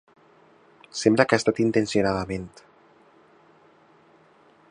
Sembla que ha estat intencionadament.